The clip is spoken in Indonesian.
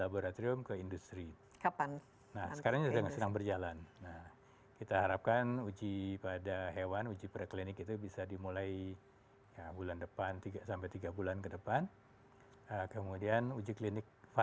pertengahan tahun depan